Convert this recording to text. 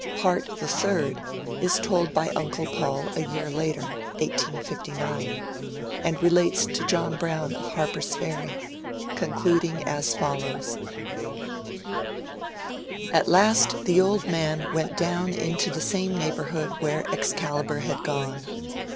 Part the third is told by unde Paul a year later, 1859, and relates to John Brown of Harper's Ferry, concludiQg as follows :— At last the old man went down into the same neighbour hood where Excalibur had gone.